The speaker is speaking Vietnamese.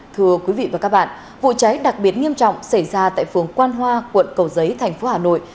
thưa quý vị và các bạn vụ cháy đặc biệt nghiêm trọng xảy ra tại phường quan hoa quận cầu giấy thành phố hà nội